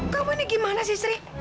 kamu ini gimana sih sri